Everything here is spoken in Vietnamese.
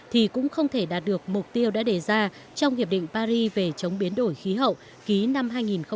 thì cũng không thể đạt được mục tiêu đã đề ra trong hiệp định paris về chống biến đổi khí hậu ký năm hai nghìn một mươi năm